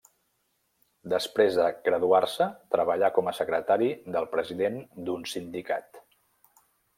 Després de graduar-se treballà com a secretari del president d'un sindicat.